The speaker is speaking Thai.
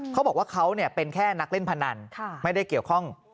เขาบอกว่าเขาเป็นแค่นักเล่นพนันไม่ได้เกี่ยวข้อง